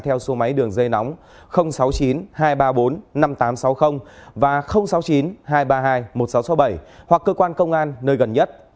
theo số máy đường dây nóng sáu mươi chín hai trăm ba mươi bốn năm nghìn tám trăm sáu mươi và sáu mươi chín hai trăm ba mươi hai một nghìn sáu trăm sáu mươi bảy hoặc cơ quan công an nơi gần nhất